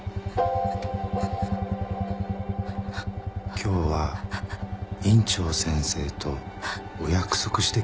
今日は院長先生とお約束してきたんです。